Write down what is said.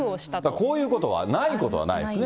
こういうことはないことはないですね。